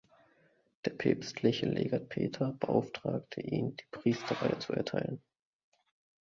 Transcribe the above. Der päpstliche Legat Peter beauftragte ihn, die Priesterweihe zu erteilen.